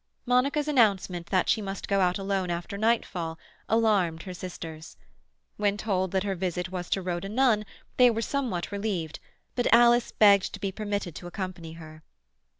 Monica's announcement that she must go out alone after nightfall alarmed her sisters. When told that her visit was to Rhoda Nunn they were somewhat relieved, but Alice begged to be permitted to accompany her.